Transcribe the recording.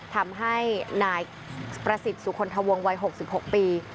ทำให้นายประสิทธิ์สุคลทวงวัย๖๖ปี